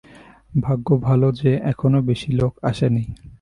ভাগ্য ভালো যে, এখনো বেশি লোক আসেনি।